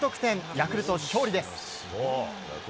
ヤクルト勝利です。